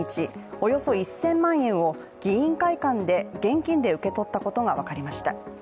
およそ１０００万円を議員会館で現金で受け取ったことが分かりました。